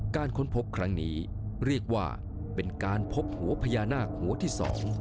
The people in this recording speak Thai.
ค้นพบครั้งนี้เรียกว่าเป็นการพบหัวพญานาคหัวที่๒